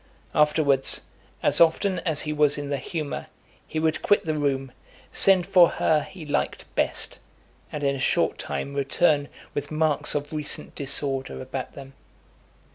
Afterwards, as often as he was in the humour, he would quit the room, send for her he liked best, and in a short time return with marks of recent disorder about them.